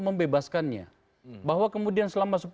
membebaskannya bahwa kemudian selama